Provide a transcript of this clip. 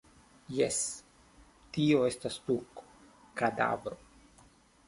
Jes, tio estas turko, kadavro.